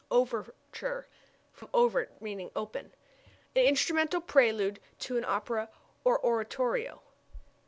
Overture (from overt open) an instrumental prelude to an opera or oratorio.